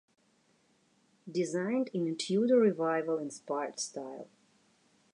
Designed in a Tudor revival inspired style.